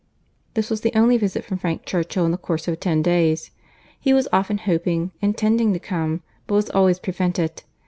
This was the only visit from Frank Churchill in the course of ten days. He was often hoping, intending to come—but was always prevented.